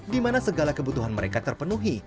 dimana segala kebutuhan mereka terpenuhi